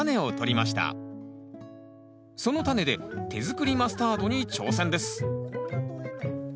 そのタネで手作りマスタードに挑戦です